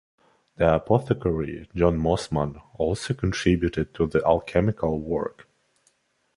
The apothecary John Mosman also contributed to the alchemical work.